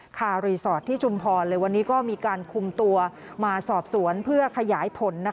คารีสอร์ทที่ชุมพรเลยวันนี้ก็มีการคุมตัวมาสอบสวนเพื่อขยายผล